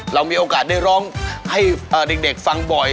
เรามีโอกาสได้ร้องให้เด็กฟังบ่อย